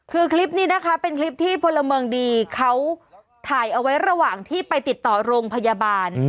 คือคลิปนี้นะคะเป็นคลิปที่พลเมืองดีเขาถ่ายเอาไว้ระหว่างที่ไปติดต่อโรงพยาบาล